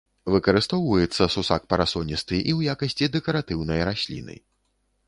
Выкарыстоўваецца сусак парасоністы і ў якасці дэкаратыўнай расліны.